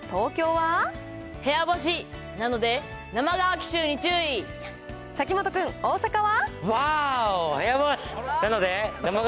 部屋干し、なので、生乾き臭嵜本君、大阪は？